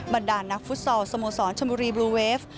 บรรดานักฟุตซอลสโมสรชมบุรีบลูเวฟ